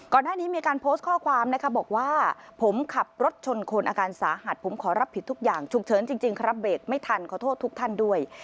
ก่อนหน้านี้มีการโพสต์ข้อความนะคะบอกว่าผมขับรถชนคนอาการสาหัสผมขอรับผิดทุกอย่างฉุกเฉินจริงครับเบรกไม่ทันขอโทษทุกท่านด้วย